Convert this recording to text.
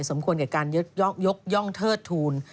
สมควรกับการยกย่องเทิดทูล